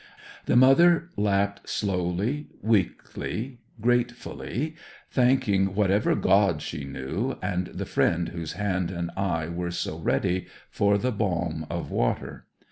The mother lapped, slowly, weakly, gratefully, thanking whatever gods she knew, and the friend whose hand and eye were so ready, for the balm of water.